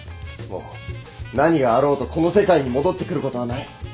もう何があろうとこの世界に戻ってくることはない。